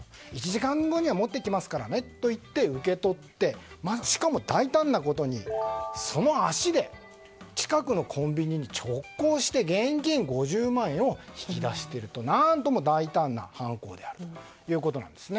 １時間後に持ってきますからと言って受け取ってしかも大胆なことにその足で近くのコンビニに直行して現金５０万円を引き出していると何とも大胆な犯行であるということです。